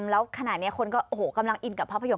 แล้วขณะนี้คนก็โอ้โหกำลังอินกับภาพยนต